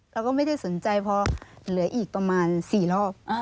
เราก็ไม่ได้สนใจพอเหลืออีกประมาณ๔รอบ